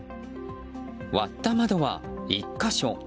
割った窓は１か所。